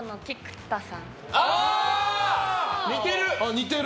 似てる。